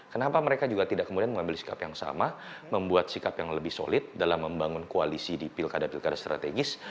kenapa mereka juga tidak kemudian mengambil sikap yang sama membuat sikap yang lebih solid dalam membangun koalisi di pilkada pilkada strategis